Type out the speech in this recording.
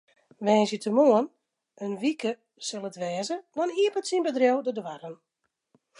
Woansdeitemoarn in wike sil it wêze, dan iepenet syn bedriuw de doarren.